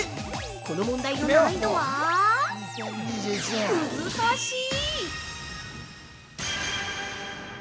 この問題の難易度は難しい。